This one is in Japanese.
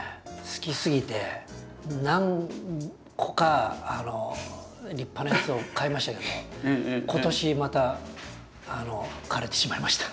好きすぎて何個か立派なやつを買いましたけど今年またあの枯れてしまいました。